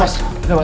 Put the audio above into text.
biar gue buka ya